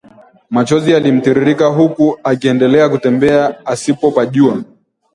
Machozi yalimtiririka huku akiendelea kutembea asipopajua